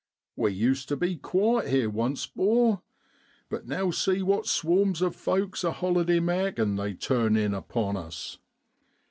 We used to be quiet here once, 'bor, but now see what swarms of folks a holiday makin' they turn in upon us.